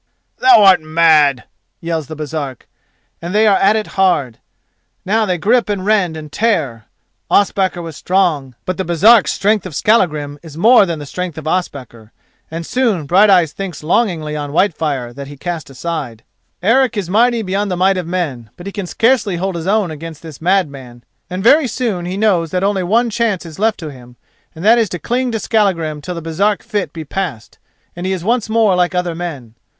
"Thou art mad," yells the Baresark, and they are at it hard. Now they grip and rend and tear. Ospakar was strong, but the Baresark strength of Skallagrim is more than the strength of Ospakar, and soon Brighteyes thinks longingly on Whitefire that he has cast aside. Eric is mighty beyond the might of men, but he can scarcely hold his own against this mad man, and very soon he knows that only one chance is left to him, and that is to cling to Skallagrim till the Baresark fit be passed and he is once more like other men.